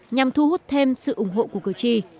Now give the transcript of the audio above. nhằm thu hút thêm sự ủng hộ của cử tri